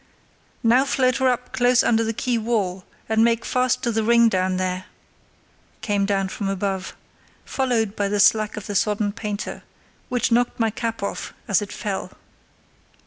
"Now float her up close under the quay wall, and make fast to the ring down there," came down from above, followed by the slack of the sodden painter, which knocked my cap off as it fell.